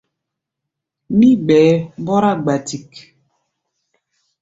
Mí gbɛɛ mbɔ́rá gbatik.